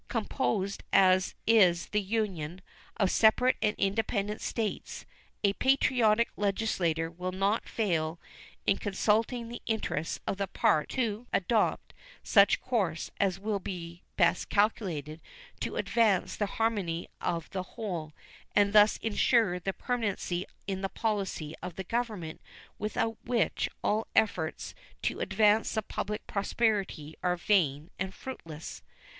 Composed as is the Union of separate and independent States, a patriotic Legislature will not fail in consulting the interests of the parts to adopt such course as will be best calculated to advance the harmony of the whole, and thus insure that permanency in the policy of the Government without which all efforts to advance the public prosperity are vain and fruitless.